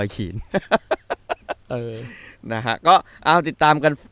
ก็ติดตามกัน